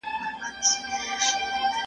زه له سهاره پوښتنه کوم!؟